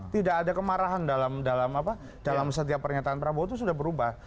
tidak ada kemarahan dalam setiap pernyataan prabowo itu sudah berubah